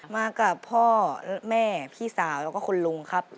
มากับพ่อแม่พี่สาวแล้วก็คุณลุงครับ